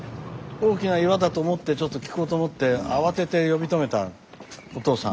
大きな岩だと思ってちょっと聞こうと思って慌てて呼び止めたおとうさん。